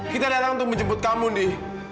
kita datang untuk menjemput kamu nih